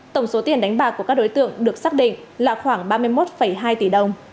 tổng số tiền đánh bạc của các đối tượng được xác định là khoảng ba mươi một hai tỷ đồng